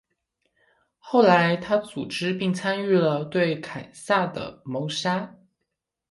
后来他组织并参与了对凯撒的谋杀。